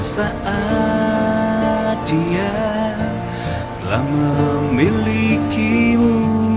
saat dia telah memilikimu